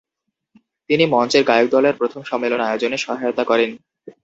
তিনি মঞ্চের গায়কদলের প্রথম সম্মেলন আয়োজনে সহায়তা করেন।